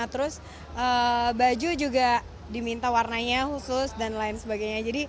terus baju juga diminta warnanya khusus dan lain sebagainya